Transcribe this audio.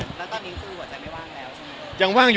แล้วตอนนี้คือหัวใจไม่ว่างแล้วใช่ไหม